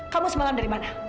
kamu semalam dari mana